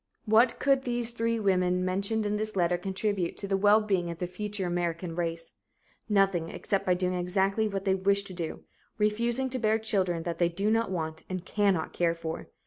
What could the three women mentioned in this letter contribute to the wellbeing of the future American race? Nothing, except by doing exactly what they wish to do refusing to bear children that they do not want and cannot care for.